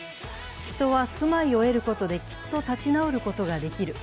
人は住まいを得ることできっと立ち直ることができる。